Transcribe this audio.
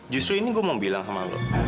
justru ini gue mau bilang sama lo